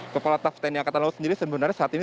kepala staff tni angkatan laut sendiri sebenarnya saat ini